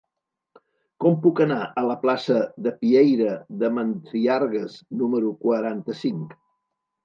Com puc anar a la plaça de Pieyre de Mandiargues número quaranta-cinc?